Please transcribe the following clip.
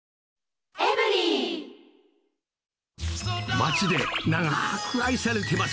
町で長ーく愛されてます。